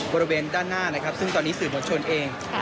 บริเวณด้านหน้านะครับซึ่งตอนนี้สื่อมวลชนเอง